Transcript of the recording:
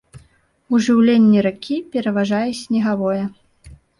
У жыўленні ракі пераважае снегавое.